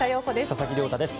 佐々木亮太です。